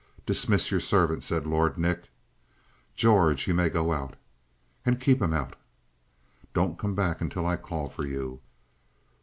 "Dismiss your servant," said Lord Nick. "George, you may go out." "And keep him out." "Don't come back until I call for you."